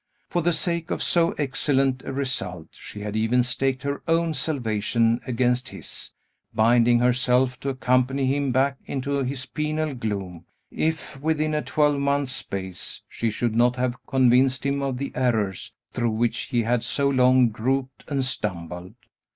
For the sake of so excellent a result; she had even staked her own salvation against his, binding herself to accompany him back into his penal gloom, if, within a twelvemonth's space, she should not have convinced him of the errors through which he had so long groped and stumbled.